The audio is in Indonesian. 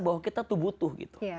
bahwa kita butuh